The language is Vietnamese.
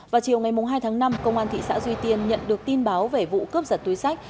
vào chiều ngày hai tháng năm công an thị xã duy tiên nhận được tin báo về vụ cướp giật túi sách